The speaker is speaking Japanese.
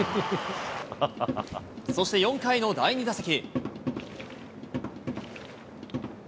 そして４回の第２打席。